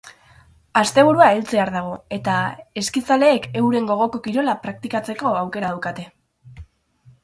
Asteburua heltzear dago, eta eskizaleek euren gogoko kirola praktikatzeko aukera daukate.